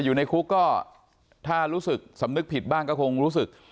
อยู่ในคุกก็ถ้ารู้สึกสำนึกผิดบ้างก็คงรู้สึก